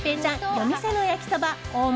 夜店の焼そば大盛